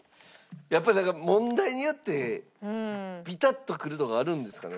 やっぱりだから問題によってビタッとくるのがあるんですかね。